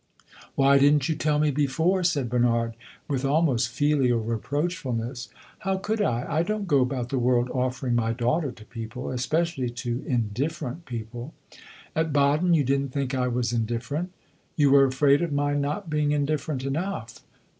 "Why did n't you tell me before?" said Bernard, with almost filial reproachfulness. "How could I? I don't go about the world offering my daughter to people especially to indifferent people." "At Baden you did n't think I was indifferent. You were afraid of my not being indifferent enough."